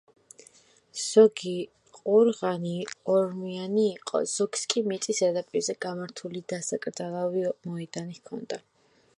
ზოგი ყორღანი ორმოიანი იყო, ზოგს კი მიწის ზედაპირზე გამართული დასაკრძალავი მოედანი ჰქონდა.